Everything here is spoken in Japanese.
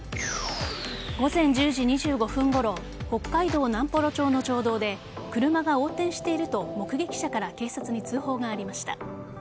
午前１０時２５分ごろ北海道南幌町の町道で車が横転していると目撃者から警察に通報がありました。